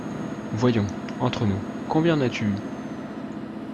Voyons, entre nous, combien en as-tu eu ?